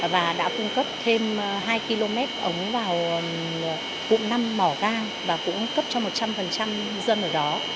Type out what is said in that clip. và đã cung cấp thêm hai km ống vào cụm năm mỏ ga và cũng cấp cho một trăm linh dân ở đó